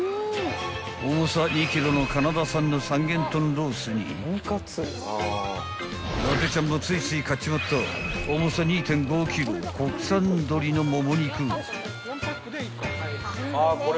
［重さ２ｋｇのカナダ産の三元豚ロースに伊達ちゃんもついつい買っちまった重さ２．５ｋｇ国産鶏のもも肉］